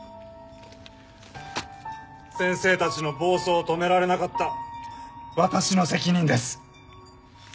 先生たちの暴走を止められなかった私の責任です。